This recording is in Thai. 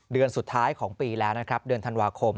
เดือนสุดท้ายของปีแล้วนะครับเดือนธันวาคม